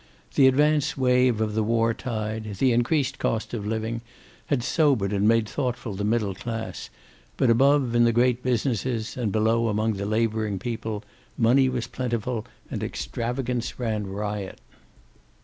The advance wave of the war tide, the increased cost of living, had sobered and made thoughtful the middle class, but above in the great businesses, and below among the laboring people, money was plentiful and extravagance ran riot.